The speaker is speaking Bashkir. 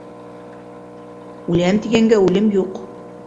«Үләм» тигәнгә үлем юҡ